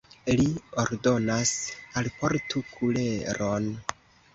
li ordonas: alportu kuleron!